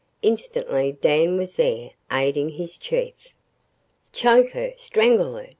Instantly Dan was there, aiding his chief. "Choke her! Strangle her!